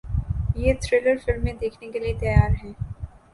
یہ تھرلر فلمیں دیکھنے کے لیے تیار ہیں